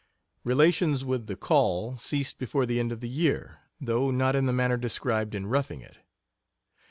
Relations with the Call ceased before the end of the year, though not in the manner described in Roughing It.